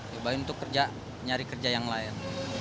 coba untuk kerja nyari kerja yang layak